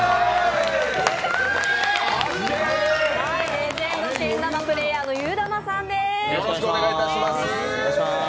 レジェンド・けん玉界プレーヤーのゆーだまさんです。